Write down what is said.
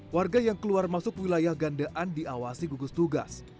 warga yang keluar masuk wilayah gandean diawasi gugus tugas